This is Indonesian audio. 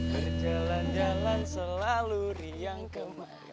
berjalan jalan selalu riang kembali